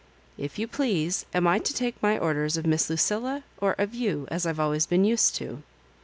If you please, am I to take my orders of Miss Lucilla, or of you, as I've always been used to?